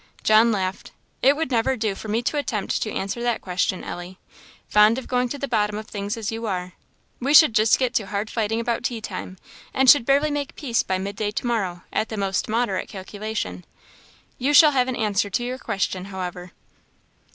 John laughed. "It would never do for me to attempt to answer that question, Ellie; fond of going to the bottom of things as you are. We should just get to hard fighting about tea time, and should barely make peace by mid day to morrow, at the most moderate calculation. You shall have an answer to your question, however."